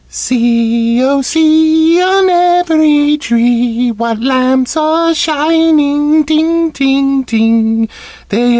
"See, oh, see! On every tree What lamps are shining, ting, ting, ting!